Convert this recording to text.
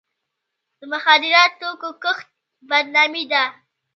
د مخدره توکو کښت بدنامي ده.